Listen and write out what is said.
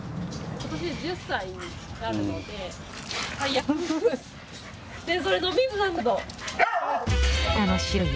今年１０歳になるので。